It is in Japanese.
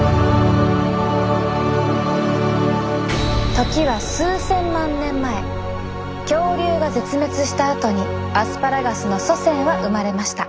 時は恐竜が絶滅したあとにアスパラガスの祖先は生まれました。